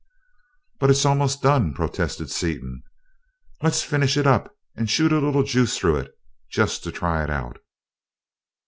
"But it's almost done!" protested Seaton. "Let's finish it up and shoot a little juice through it, just to try it out."